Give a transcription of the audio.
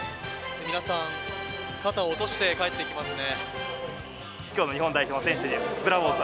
皆さん肩を落として帰っていきますね。